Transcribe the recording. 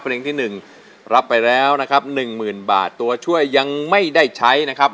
เพลงที่๑รับไปแล้วนะครับหนึ่งหมื่นบาทตัวช่วยยังไม่ได้ใช้นะครับ